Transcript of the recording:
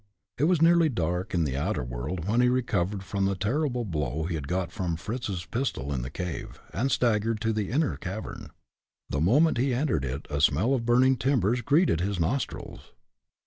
It was nearly dark in the outer world when he recovered from the terrible blow he had got from Fritz's pistol in the cave, and staggered to the inner cavern. The moment he entered it a smell of burning timbers greeted his nostrils.